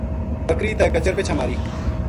بکری تے کچر پِچھاں ماری